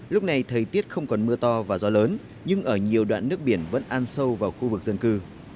lúc này thời tiết không còn mưa to và gió lớn nhưng ở nhiều đoạn nước biển vẫn an sâu vào khu vực dân cư